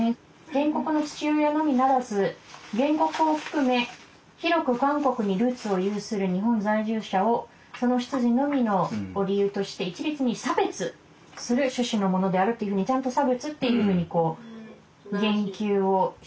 「原告の父親のみならず原告を含め広く韓国にルーツを有する日本在住者をその出自のみを理由として一律に差別する趣旨のものである」というふうにちゃんと差別っていうふうに言及をしていると。